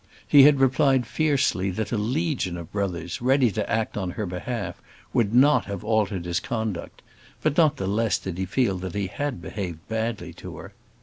He had replied fiercely that a legion of brothers, ready to act on her behalf, would not have altered his conduct; but not the less did he feel that he had behaved badly to her.